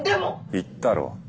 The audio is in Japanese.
言ったろ。